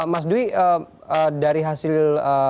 mas dwi dari hasil